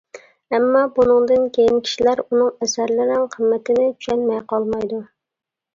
ئەمما، بۇنىڭدىن كېيىن كىشىلەر ئۇنىڭ ئەسەرلىرىنىڭ قىممىتىنى چۈشەنمەي قالمايدۇ.